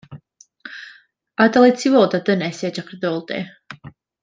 A dylet ti fod â dynes i edrych ar dy ôl di.